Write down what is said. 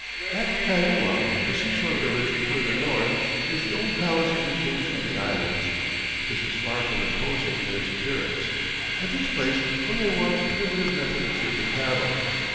At Kailua, a seashore village further north, is the old palace of the kings of the islands. This is far from imposing in its appearance. At this place one may watch a primitive method of shipping cattle.